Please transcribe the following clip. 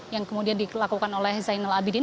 yang kemudian dilakukan oleh zainal abidin